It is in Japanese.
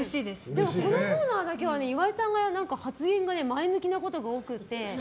でもこのコーナーだけは岩井さんの発言が前向きなことが多くて。